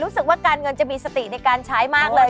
รู้สึกว่าการเงินจะมีสติในการใช้มากเลย